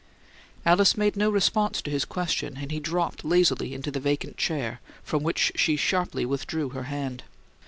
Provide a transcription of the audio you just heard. Alice made no response to his question, and he dropped lazily into the vacant chair, from which she sharply withdrew her hand.